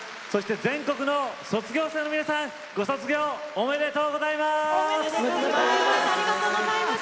全国の卒業生の皆さんご卒業おめでとうございます。